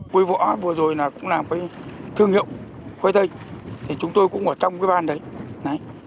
quế võ vừa rồi cũng làm với thương hiệu quế tây chúng tôi cũng ở trong cái ban đấy